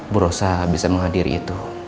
bu rosa bisa menghadiri itu